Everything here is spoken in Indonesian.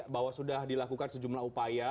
bahwa sudah dilakukan sejumlah upaya